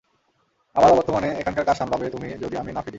আমার অবর্তমানে এখানকার কাজ সামলাবে তুমি যদি আমি না ফিরি।